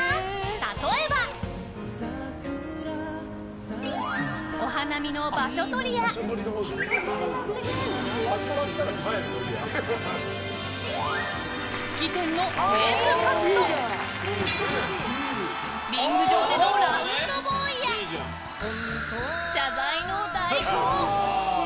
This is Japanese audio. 例えば、お花見の場所取りや式典のテープカットリング上でのラウンドボーイや謝罪の代行。